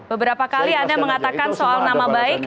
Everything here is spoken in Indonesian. beberapa kali anda mengatakan soal nama baik